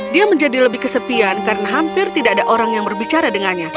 dia menjadi lebih kesepian karena hampir tidak ada orang yang berbicara dengannya